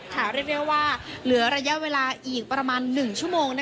ข่าวเรียกก็เรียกว่าเหลือระยะเวลาอีกประมาณ๑ชั่วโมง